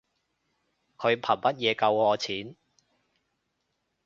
佢憑乜嘢扣我錢